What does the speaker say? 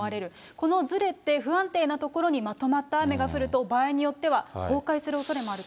このずれて不安定な所にまとまった雨が降ると、場合によっては崩壊するおそれもあると。